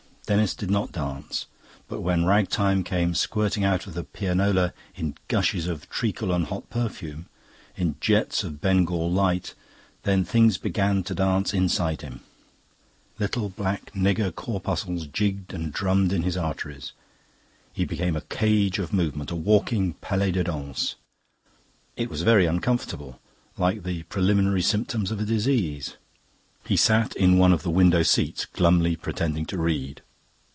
Denis did not dance, but when ragtime came squirting out of the pianola in gushes of treacle and hot perfume, in jets of Bengal light, then things began to dance inside him. Little black nigger corpuscles jigged and drummed in his arteries. He became a cage of movement, a walking palais de danse. It was very uncomfortable, like the preliminary symptoms of a disease. He sat in one of the window seats, glumly pretending to read.